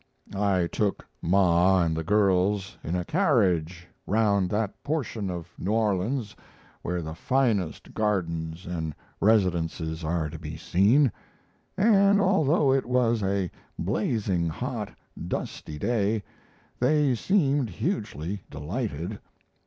I took Ma and the girls in a carriage round that portion of New Orleans where the finest gardens and residences are to be seen, and, although it was a blazing hot, dusty day, they seemed hugely delighted.